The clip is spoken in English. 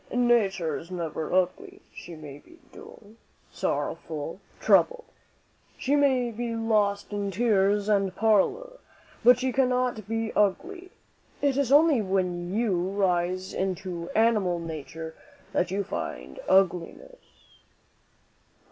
"Nature is never ugly. She may be dull, sorrowful, troubled; she may be lost in tears and pallor, but she cannot be ugly. It is only when you rise into animal nature that you find ugliness."